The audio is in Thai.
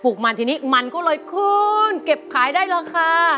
มาทีนี้มันก็เลยขึ้นเก็บขายได้ราคา